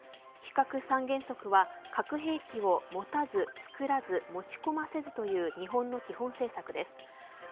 非核三原則は核兵器を持たず・作らず・持ち込ませずという日本の基本政策です。